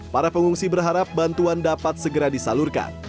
para pengungsi berharap bantuan dapat segera disalurkan